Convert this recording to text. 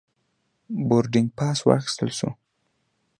بوردینګ پاس واخیستل شو.